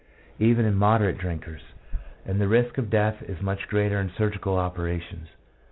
moderate drinkers, and the risk of death is much greater in surgical operations.